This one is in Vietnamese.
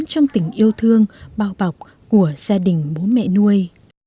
trong tình yêu thương bao bọc của gia đình bố mẹ nuôi